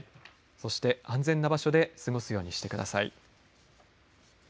そして安全な場所で過ごすようにしてください。